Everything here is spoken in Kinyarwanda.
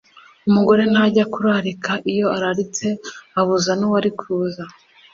umugore ntajya kurarika, iyo araritse abuza n’uwari kuza.